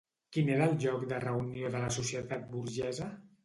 Quin era el lloc de reunió de la societat burgesa?